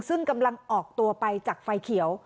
ซึ่งกำลังออกตัวไปจากไฟเขียว